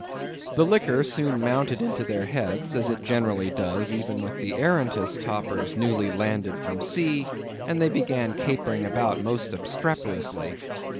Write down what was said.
The liquor soon mounted into their heads, as it generally does even with the arrantest topers newly landed from sea, and they began capering about most obstreperously.